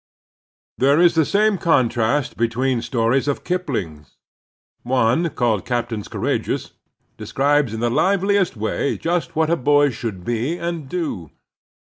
There is the same contract between two stories of Kipling's. One, called '{Captains Courageous," describes in the liveliest way just what a boy should be and do.